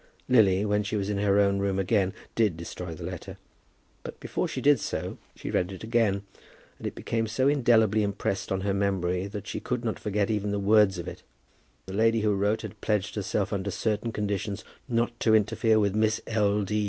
Lily, when she was in her own room again, did destroy the letter; but before she did so she read it again, and it became so indelibly impressed on her memory that she could not forget even the words of it. The lady who wrote had pledged herself, under certain conditions, "not to interfere with Miss L.